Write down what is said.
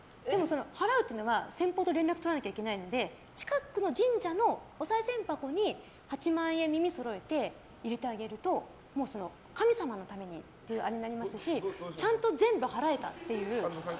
払うっていうのが先方と連絡とらなきゃいけないので近くの神社のおさい銭箱に８万円、耳そろえて入れてあげると神様のためになりますしちゃんと全部払えたっていう。